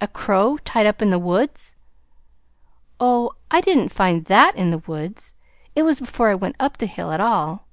"A crow tied up in the woods!" "Oh, I didn't find THAT in the woods. It was before I went up the hill at all."